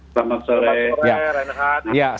selamat sore renat